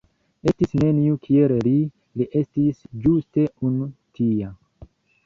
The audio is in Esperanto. Estis neniu kiel li, li estis ĝuste unu tia".